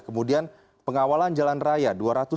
kemudian pengawalan jalan raya